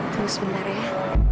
tunggu sebentar ya